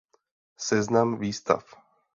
Seznam výstav.